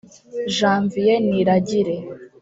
Janvier Niragire